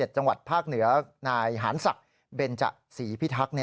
จังหวัดภาคเหนือนายหารศักดิ์เบนจศรีพิทักษ์